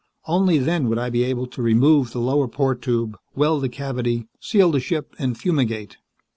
Only then would I be able to remove the lower port tube, weld the cavity, seal the ship and fumigate."